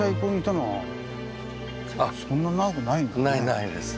ないです。